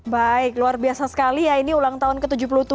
baik luar biasa sekali ya ini ulang tahun ke tujuh puluh tujuh